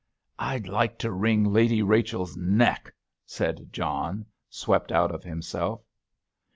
"I'd like to wring Lady Rachel's neck!" said John, swept out of himself.